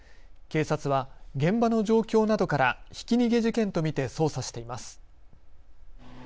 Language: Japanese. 警察は現場の状況などからひき逃げ事件と見て捜査しています。